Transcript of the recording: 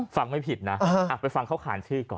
ฟังไม่ผิดนะไปฟังเขาขานชื่อก่อน